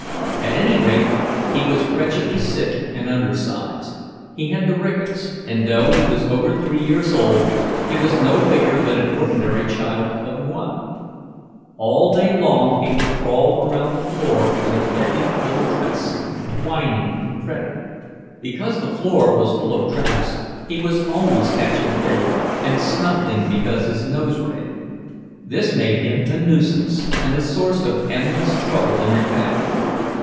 At any rate he was wretchedly sick and undersized; he had the rickets, and though he was over three years old, he was no bigger than an ordinary child of one. All day long he would crawl around the floor in a filthy little dress, whining and fretting; because the floor was full of drafts he was always catching cold, and snuffling because his nose ran. This made him a nuisance, and a source of endless trouble in the family.